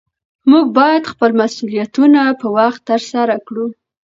موږ باید خپل مسؤلیتونه په وخت ترسره کړو